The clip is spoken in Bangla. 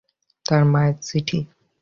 তার মায়ের চিঠি।